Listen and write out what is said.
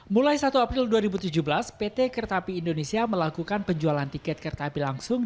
mulai satu april dua ribu tujuh belas pt kereta api indonesia melakukan penjualan tiket kereta api langsung